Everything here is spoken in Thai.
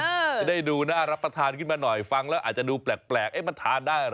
จะได้ดูน่ารับประทานขึ้นมาหน่อยฟังแล้วอาจจะดูแปลกเอ๊ะมันทานได้เหรอ